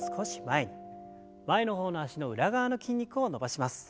前の方の脚の裏側の筋肉を伸ばします。